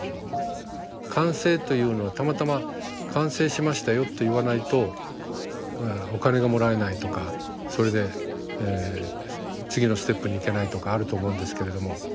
完成というのはたまたま「完成しましたよ」と言わないとお金がもらえないとかそれで次のステップにいけないとかあると思うんですけれども。